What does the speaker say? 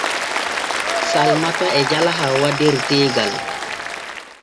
Salmata e jala Hawwq der teegal.